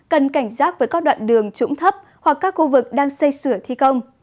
cần cảnh giác với các đoạn đường trũng thấp hoặc các khu vực đang xây sửa thi công